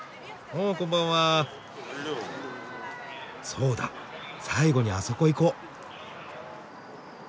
そうだ最後にあそこ行こ！